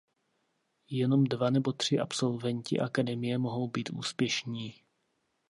Jenom dva nebo tři absolventi akademie mohou být úspěšní.